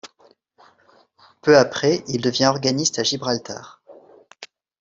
Peu après, il devient organiste à Gibraltar.